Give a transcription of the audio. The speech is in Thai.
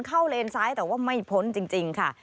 เลนซ้ายแต่ว่าไม่พ้นจริงค่ะ